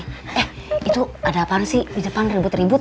eh itu ada apaan sih di depan ribut ribut